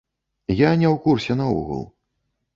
Я не ў курсе наогул.